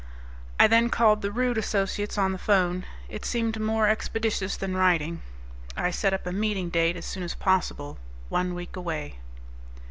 I then called the Rude Associates on the phone; it seemed more expeditious than writing. I set up a meeting date as soon as possible, one week away.